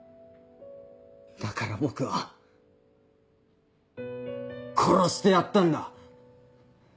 だから僕は殺してやったんだ。